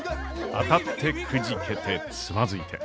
当たってくじけてつまずいて。